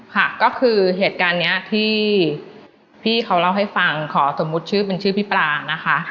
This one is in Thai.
ค่ะก็คือเหตุการณ์นี้ที่พี่เขาเล่าให้ฟังขอสมมุติชื่อเป็นชื่อพี่ปลานะคะ